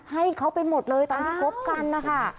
ให้เขาไปหมดเลยตอนที่คบกันนะคะ